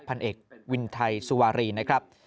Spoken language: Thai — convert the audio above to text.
พันเอกวินไทยสุวารีนะครับ